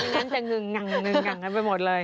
นั่งจะงึงงั้งงั้นไปหมดเลย